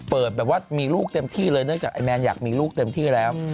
แบบว่ามีลูกเต็มที่เลยเนื่องจากไอแมนอยากมีลูกเต็มที่แล้ว